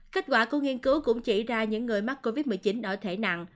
kết quả của nghiên cứu cũng chỉ ra những người mắc covid một mươi chín ở thể nặng